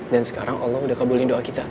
dan sekarang allah udah kabulin doa kita